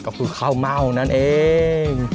ก็คือข้าวเม่านั่นเอง